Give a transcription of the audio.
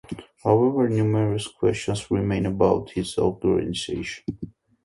However, numerous questions remain about its organization.